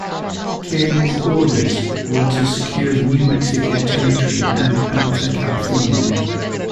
Kearny's orders were to secure the New Mexico territory and Alta California.